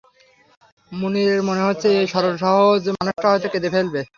মুনিরের মনে হচ্ছে এই সরল-সহজ মানুষটা হয়তো কেঁদে ফেলবে।